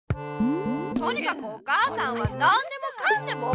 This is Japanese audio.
とにかくお母さんは何でもかんでもおこるんだ。